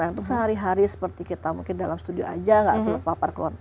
untuk sehari hari seperti kita mungkin dalam studio aja nggak terpapar ke luar